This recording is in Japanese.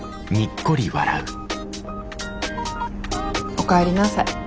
おかえりなさい。